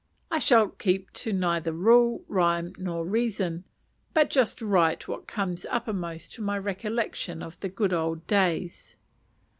I shall keep to neither rule, rhyme, nor reason, but just write what comes uppermost to my recollection of the good old days.